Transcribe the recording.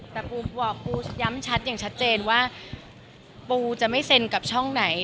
แต่ปูบอกปูย้ำชัดอย่างชัดเจนว่าปูจะไม่เซ็นกับช่องไหน